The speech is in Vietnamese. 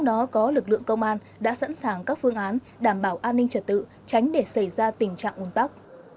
nó có lực lượng công an đã sẵn sàng các phương án đảm bảo an ninh trật tự tránh để xảy ra tình trạng nguồn tắc